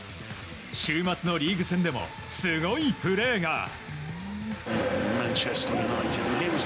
週末のリーグ戦でもすごいプレーが。